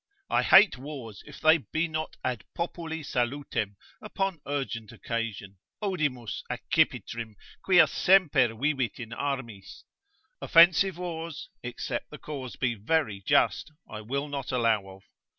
I hate wars if they be not ad populi salutem upon urgent occasion, odimus accipitrim, quia semper vivit in armis offensive wars, except the cause be very just, I will not allow of.